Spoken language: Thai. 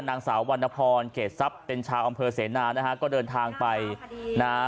นางสาววรรณพรเกรดทรัพย์เป็นชาวอำเภอเสนานะฮะก็เดินทางไปนะฮะ